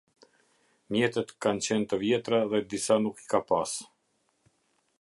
Mjetet kan qen te vjetra dhe disa nuk i ka pas.